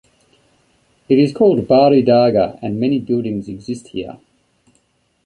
It is called Bari Dargah and many buildings exist here.